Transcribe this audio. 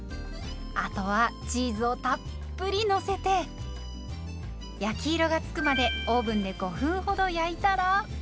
あとはチーズをたっぷりのせて焼き色がつくまでオーブンで５分ほど焼いたら。